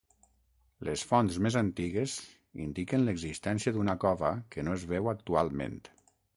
Les fonts més antigues indiquen l'existència d'una cova que no es veu actualment.